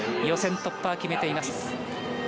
予選突破は決めています。